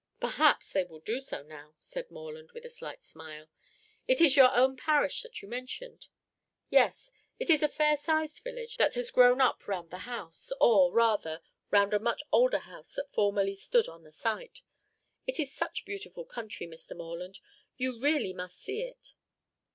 "Perhaps they will do so now," said Morland, with a slight smile. "It is your own parish that you mentioned?" "Yes, it is a fair sized village that has grown up round the house, or, rather, round a much older house that formerly stood on the site. It is such beautiful country, Mr. Morland! You really must see it."